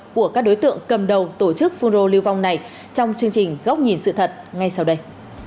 của các đối tượng cầm đầu tổ chức phun rô lưu vong này trong chương trình góc nhìn sự thật ngay sau đây